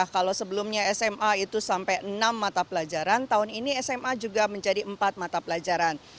kalau sebelumnya sma itu sampai enam mata pelajaran tahun ini sma juga menjadi empat mata pelajaran